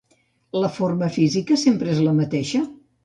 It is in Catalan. La forma física sempre és la mateixa?